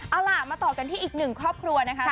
เอาล่ะมาต่อกันที่อีกหนึ่งครอบครัวนะคะ